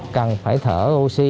cần phải thở oxy